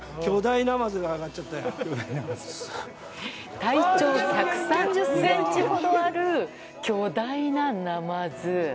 体長１３０ｃｍほどある巨大なナマズ。